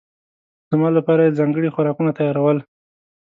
زما لپاره یې ځانګړي خوراکونه تيارول.